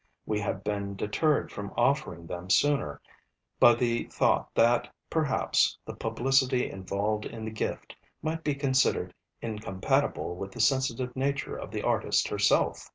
We have been deterred from offering them sooner, by the thought that, perhaps, the publicity involved in the gift might be considered incompatible with the sensitive nature of the artist herself.